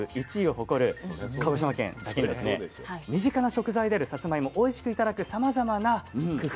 身近な食材であるさつまいもおいしく頂くさまざまな工夫